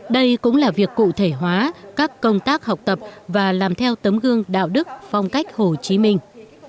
đây cũng là việc cụ thể hóa các công tác học tập và làm theo tấm gương đạo đức phong cách hồ chí minh